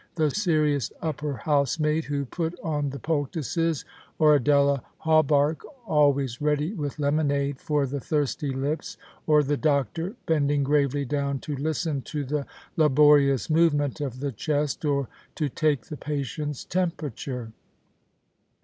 201 the serious upper housemaid, who put on the poultices, or Adela Hawberk, always ready with lemonade for the thirsty lips, or the doctor bending gravely down to listen to the laborious movement of the chest, or to take the patient's temperature.